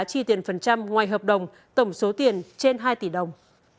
chi tiền phần trăm ngoài hợp đồng tổng số tiền trên hai tỷ đồng